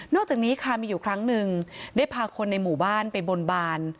จากนี้ค่ะมีอยู่ครั้งหนึ่งได้พาคนในหมู่บ้านไปบนบาน